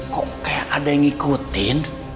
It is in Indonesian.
kok kayak ada yang ngikutin